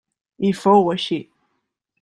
I fou així.